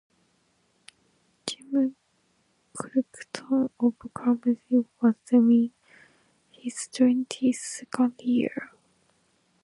James Crichton of Cluny was then in his twenty-second year.